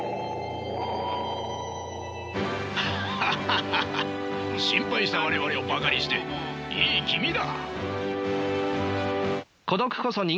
ハハハハ心配した我々をバカにしていい気味だ。